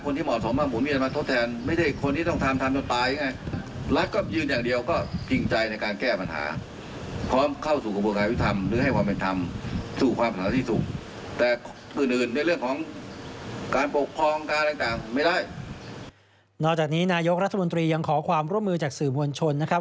นอกจากนี้นายกรัฐมนตรียังขอความร่วมมือจากสื่อมวลชนนะครับ